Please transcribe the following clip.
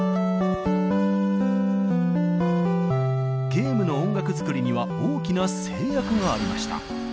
ゲームの音楽作りには大きな制約がありました。